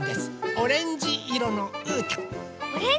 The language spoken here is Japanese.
オレンジいろのうーたん。